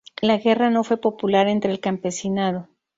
La guerra no fue popular entre el campesinado.